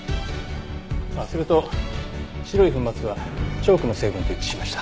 ああそれと白い粉末はチョークの成分と一致しました。